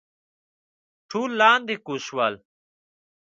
ټول لاندې کوز شول.